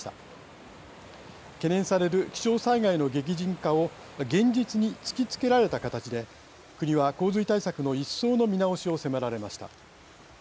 懸念される気象災害の激甚化を現実に突きつけられたかたちで国は洪水対策の一層の見直しを迫られました。